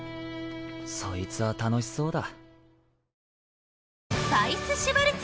そいつは楽しそうだ。